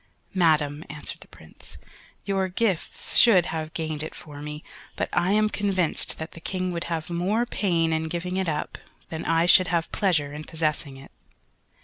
"Madam," answered the Prince, "your gifts should have gained it for me, but I am convinced that the King would have more pain in giving it up than I should have pleasure in possessing it!"